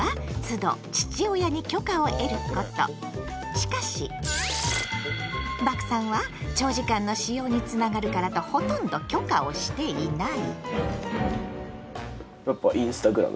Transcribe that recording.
しかしバクさんは長時間の使用につながるからとほとんど許可をしていない。